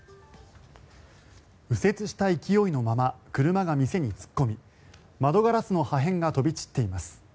右折した勢いのまま車が店に突っ込み窓ガラスの破片が飛び散っています。